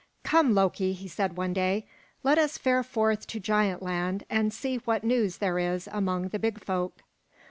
"Come, Loki," he said one day, "let us fare forth to Giant Land and see what news there is among the Big Folk."